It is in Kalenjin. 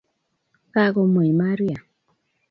Kagomwei Maria